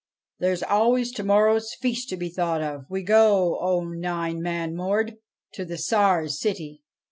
There's always to morrow's feast to be thought of. We go, O Nine Man Mord, to the Tsar's city.